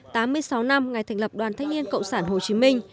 tám mươi sáu năm ngày thành lập đoàn thách nhiên cộng sản hồ chí minh